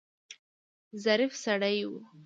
ظریف سړی و.